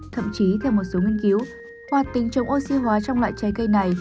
thậm chí theo một số nghiên cứu hoạt tính chống oxy hóa trong loại trái cây này